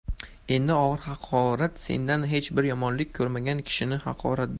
Eng og‘ir haqorat sendan hech bir yomonlik ko‘rmagan kishining haqoratidir.